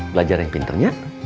belajar yang pintarnya